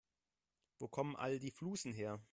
Wo kommen all die Flusen her?